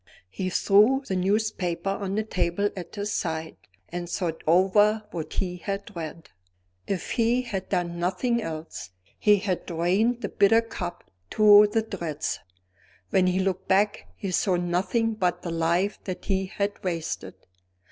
He threw the newspaper on the table at his side, and thought over what he had read. If he had done nothing else, he had drained the bitter cup to the dregs. When he looked back, he saw nothing but the life that he had wasted.